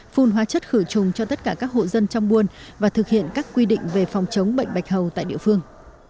phun hóa chất khử trùng cho tất cả các hộ dân trong buôn và thực hiện các quy định về phòng chống bệnh bạch hầu tại địa phương